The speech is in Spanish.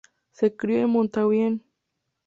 Se crio en Mountain View.